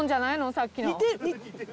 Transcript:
さっきの。